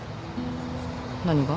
何が？